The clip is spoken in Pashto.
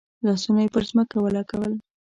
لاسونه یې پر ځمکه ولګول.